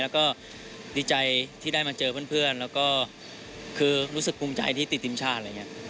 แล้วก็ดีใจที่ได้มาเจอเพื่อนแล้วก็คือรู้สึกภูมิใจที่ติดทีมชาติอะไรอย่างนี้